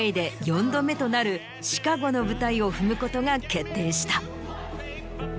となる『シカゴ』の舞台を踏むことが決定した。